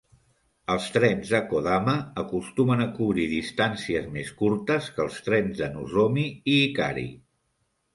Els trens de "Kodama" acostumen a cobrir distàncies més curtes que els trens de "Nozomi" i "Hikari".